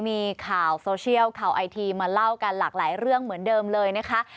มีข่าวโซเชียลข่าวไอทีมาเล่ากันหลากหลายเรื่องเหมือนเดิมเลยนะคะ